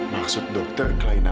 maksud dokter kelainan apa